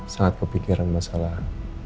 sangat kepikiran masalah